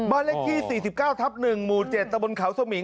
บ้านเลขที่๔๙ทับ๑หมู่๗ตะบนเขาสมิง